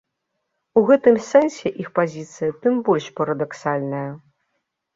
У гэтым сэнсе іх пазіцыя тым больш парадаксальная.